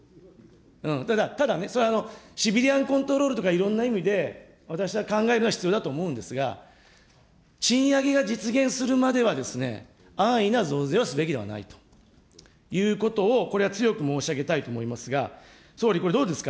だから、ただね、それはシビリアンコントロールとかいろんな意味で、私は考えるのは必要だと思うんですが、賃上げが実現するまでは、安易な増税はすべきではないということを、これは強く申し上げたいと思いますが、総理、これ、どうですか。